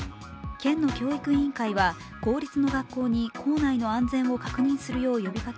県の教育委員会は公立の学校に校内の安全を確認するよう呼びかけ